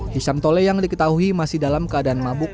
hishamtole yang diketahui masih dalam keadaan mabuk